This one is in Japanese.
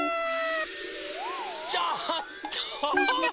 ちょっと！